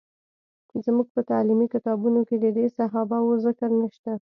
زموږ په تعلیمي کتابونو کې د دې صحابه وو ذکر نشته.